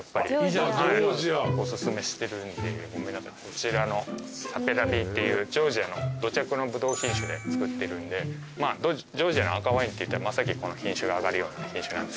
こちらのサペラヴィっていうジョージアの土着のブドウ品種で作ってるんでジョージアの赤ワインっていったら真っ先にこの品種が挙がるような品種なんですけど。